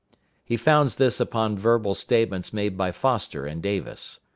He founds this upon verbal statements made by Foster and Davis.